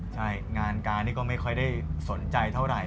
ใช่งานการนี่ก็ไม่ค่อยได้สนใจเท่าไหร่